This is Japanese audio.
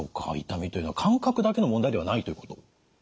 痛みというのは感覚だけの問題ではないということ？